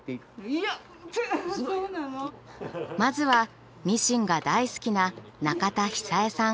まずはミシンが大好きな中田久江さん。